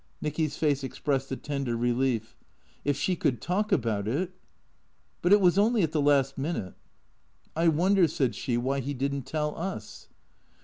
Nicky's face expressed a tender relief. If she could talk about it " But it was only at the last minute." " I wonder," said she, " why he did n't tell us."